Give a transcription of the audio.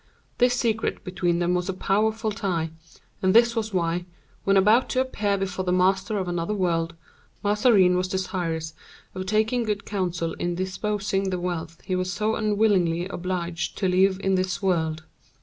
This secret between them was a powerful tie, and this was why, when about to appear before the Master of another world, Mazarin was desirous of taking good counsel in disposing the wealth he was so unwillingly obliged to leave in this world.